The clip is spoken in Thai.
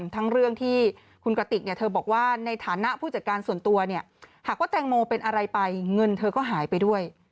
เธอบอกว่าในฐานะผู้จัดการส่วนตัวหากว่าแตงโมเป็นอะไรไปเงินเธอก็หายไปด้วย